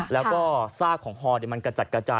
แล้วก็ซากของฮอมันกระจัดกระจาย